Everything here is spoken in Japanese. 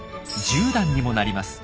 １０段にもなります。